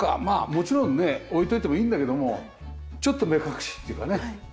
まあもちろんね置いておいてもいいんだけどもちょっと目隠しっていうかね。